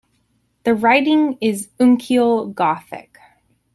The writing is uncial Gothic.